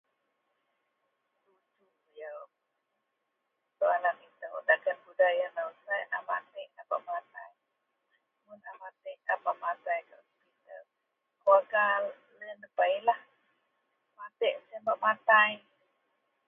Sai a bak matek a bak matai keluarga sien debailah matik a bak matai.